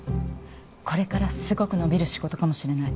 これからすごく伸びる仕事かもしれない。